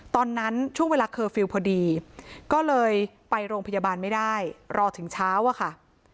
ตอนนั้นช่วงเวลาเคอร์ฟิลล์พอดีก็เลยไปโรงพยาบาลไม่ได้รอถึงเช้าอะค่ะ